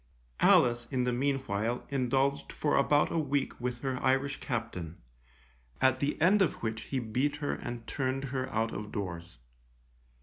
Alice, in the meanwhile, indulged for about a week with her Irish captain, at the end of which he beat her and turned her out of doors.